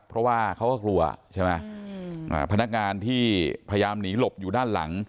เพราะว่าเขาก็กลัวใช่ไหมพนักงานที่พยายามหนีหลบอยู่ด้านหลัง